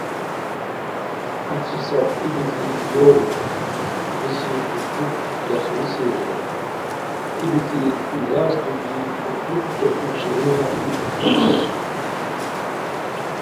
اچی سف ای بیتی گیورلہ بیسی کوٹھوک ڈاخئیسی رے ای بیتی گھاستو بی کوٹھوک څوپیک شروع ارینی